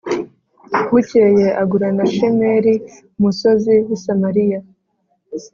Bukeye agura na shemeri umusozi w i samariya